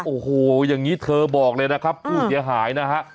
โอ้โหอย่างนี้เธอบอกเลยนะครับผู้เสียหายนะฮะ